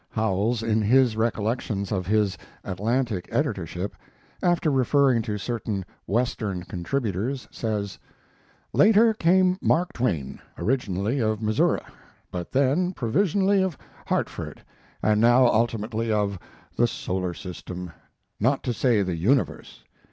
Howells in his Recollections of his Atlantic editorship, after referring to certain Western contributors, says: Later came Mark Twain, originally of Missouri, but then provisionally of Hartford, and now ultimately of the solar system, not to say the universe.